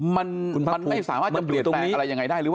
มันไม่สามารถจะเปลี่ยนแต่อะไรยังไงได้หรือว่าอย่างไง